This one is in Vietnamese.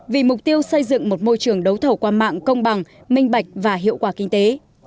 vì mục tiêu xây dựng một môi trường đấu thầu qua mạng công bằng minh bạch và hiệu quả kinh tế